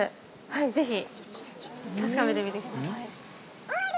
ぜひ、確かめてみてください。